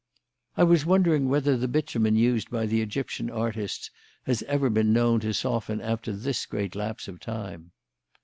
"I was wondering whether the bitumen used by the Egyptian artists has ever been known to soften after this great lapse of time."